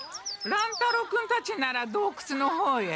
乱太郎君たちならどうくつの方へ。